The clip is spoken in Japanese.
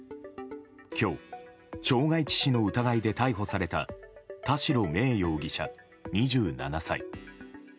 今日、傷害致死の疑いで逮捕された田代芽衣容疑者、２７歳。